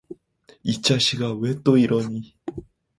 "이자식아, 왜 또 이러니."